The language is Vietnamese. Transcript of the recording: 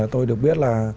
tôi được biết là